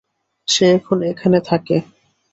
সে এখন এখানে থাকে।